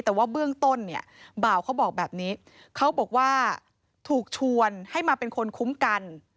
แต่ว่าเบื้องต้นเนี่ยบ่าวเขาบอกแบบนี้เขาบอกว่าถูกชวนให้มาเป็นคนคุ้มกัน